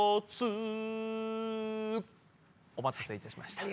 お待たせいたしました。